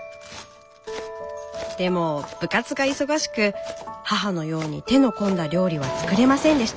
でも部活が忙しく母のように手の込んだ料理は作れませんでした。